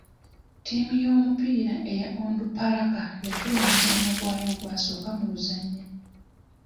Ttiimu y'omupiira eya Onduparaka yafiirwa omuzannyo gwayo ogwasooka mu luzannya.